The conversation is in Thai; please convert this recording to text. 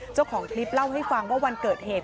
เจ้าของคลิปเล่าให้ฟังว่าวันเกิดเหตุ